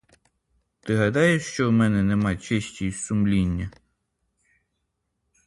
Ти гадаєш, що в мене нема честі й сумління?